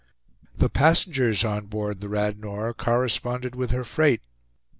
The passengers on board the Radnor corresponded with her freight.